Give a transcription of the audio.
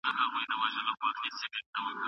موږ د ټولنيزو حقايقو په اړه پلټنه کوو.